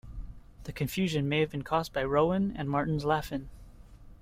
The confusion may have been caused by "Rowan and Martin's Laugh-In".